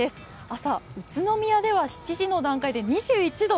朝、宇都宮では７時の段階では２１度。